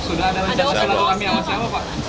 sudah ada rencana silaturahmi yang masih apa pak